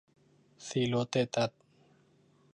ซีร์โรสเตรตัส